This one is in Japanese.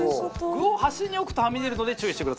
具を端に置くとはみ出るので注意してください。